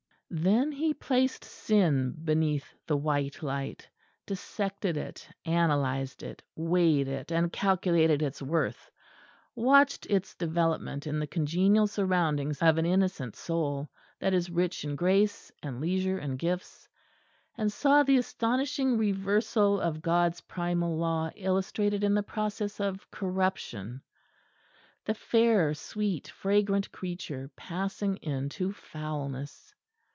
Then he placed sin beneath the white light; dissected it, analysed it, weighed it and calculated its worth, watched its development in the congenial surroundings of an innocent soul, that is rich in grace and leisure and gifts, and saw the astonishing reversal of God's primal law illustrated in the process of corruption the fair, sweet, fragrant creature passing into foulness.